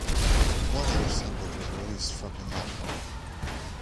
One other single was released from the album.